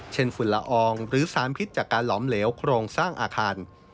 ฝุ่นละอองหรือสารพิษจากการหลอมเหลวโครงสร้างอาคาร